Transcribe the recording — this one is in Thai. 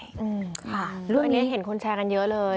ค่ะรูปนี้เห็นคนแชร์กันเยอะเลย